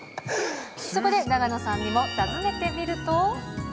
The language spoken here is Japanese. そこで永野さんにも尋ねてみると。